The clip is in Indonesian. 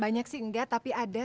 banyak sih enggak tapi ada